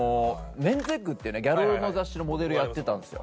『ｍｅｎ’ｓｅｇｇ』っていうねギャル男の雑誌のモデルをやってたんですよ。